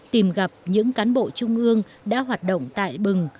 tìm gặp những cán bộ trung ương đã hoạt động tại bừng